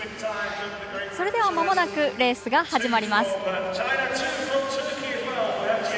それではレースが始まります。